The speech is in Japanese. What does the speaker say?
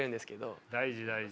大事大事。